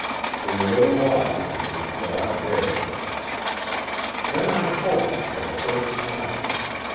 In a little while it was broad day. Then I halted for the first time.